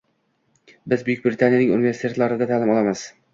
Biz Buyuk Britaniyaning universitetlarida taʼlim olamiz